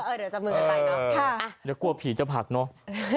เดี๋ยวก่ว่าผีจะผักเนาะ